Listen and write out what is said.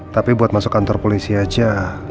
tapi buat masuk kantor polisi aja